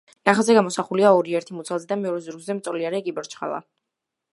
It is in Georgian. ნახატზე გამოსახულია ორი, ერთი მუცელზე და მეორე ზურგზე მწოლიარე კიბორჩხალა.